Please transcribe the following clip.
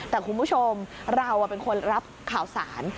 แต่คุณผู้ชมเราเป็นคนรับข่าวสาร